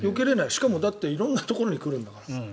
しかも色んなところに来るんだから。